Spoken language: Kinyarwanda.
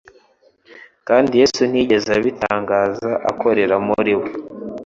kandi Yesu ntiyagize ibitangaza akorera muri bo,